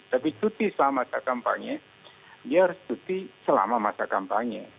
tapi cuti selama masa kampanye dia harus cuti selama masa kampanye